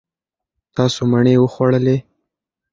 تاسو مڼې وخوړلې.